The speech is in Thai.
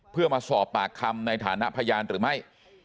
เพื่อมาสอบปากคำในฐานะพยานหรือไม่